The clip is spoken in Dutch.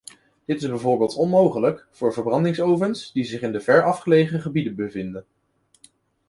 Dit is bijvoorbeeld onmogelijk voor verbrandingsovens die zich in verafgelegen gebieden bevinden.